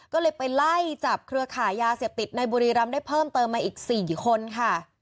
ก็เลยไปไล่จับเครือขายยาเสพติดในบุรีรำได้เพิ่มเติมมาอีก๔คนค่ะ